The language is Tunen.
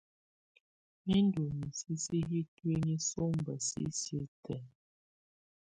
Mɛ ndù misisi yi ntuinyii sɔmba sisiǝ́ tɛ̀á.